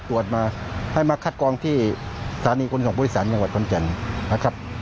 ตรวจมาให้มาคัดกรองที่ศาลีคุณส่งผู้โดยสารกรุงเทพฯ